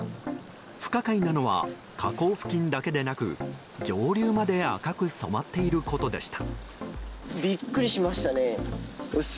不可解なのは河口付近だけでなく上流まで赤く染まっていることでした。